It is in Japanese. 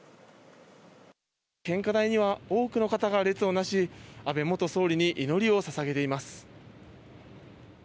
献花台には多くの方が列をなし安倍元総理に祈りを捧げています。